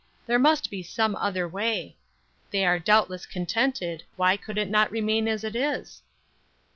There must be some other way. They are doubtless contented, why could it not remain as it is?"